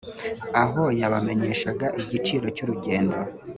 aho yabamenyeshaga igiciro cy’urugendo